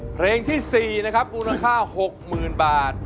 เพลงที่๔นะครับมูลค่า๖๐๐๐บาท